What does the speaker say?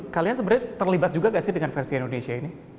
kalian sebenarnya terlibat juga tidak dengan versi indonesia ini